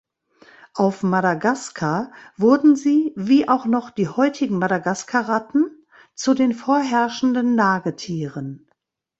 Auf Madagaskar wurden sie, wie auch noch die heutigen Madagaskar-Ratten, zu den vorherrschenden Nagetieren.